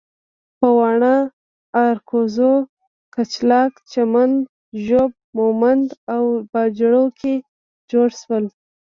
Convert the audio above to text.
په واڼه، ارکزو، کچلاک، چمن، ږوب، مومندو او باجوړ کې جوړ شول.